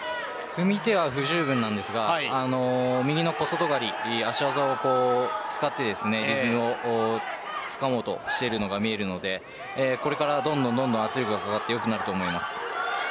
組み手は不十分ですが右の小外刈、足技を使ってリズムをつかもうとしているのが見えるのでこれからどんどん圧力がかかって良くなると思います。